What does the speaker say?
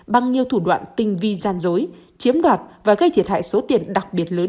bằng nhiều thủ đoạn tinh vi gian dối chiếm đoạt và gây thiệt hại số tiền đặc biệt lớn